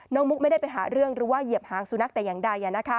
มุกไม่ได้ไปหาเรื่องหรือว่าเหยียบหางสุนัขแต่อย่างใด